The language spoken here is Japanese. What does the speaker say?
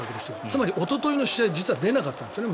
つまりおとといの試合実は出なかったんですね